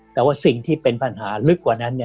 แต่ว่าสิ่งที่เป็นปัญหาลึกกว่านั้น